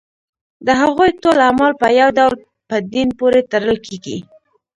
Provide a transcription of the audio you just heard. د هغوی ټول اعمال په یو ډول په دین پورې تړل کېږي.